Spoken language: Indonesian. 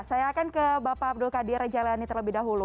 saya akan ke bapak abdul qadir jailani terlebih dahulu